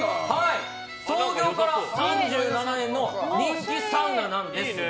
創業から３７年の人気サウナなんですが。